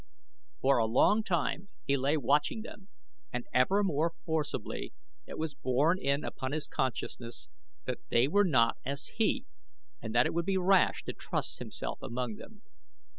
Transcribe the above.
For a long time he lay watching them and ever more forcibly it was borne in upon his consciousness that they were not as he, and that it would be rash to trust himself among them.